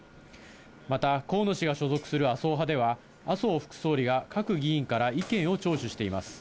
また、河野氏が所属する麻生派では、麻生副総理が各議員から意見を聴取しています。